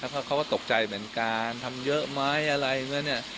เขาก็ตกใจเหมือนกันทำเยอะไหมอะไรไหมเนี่ย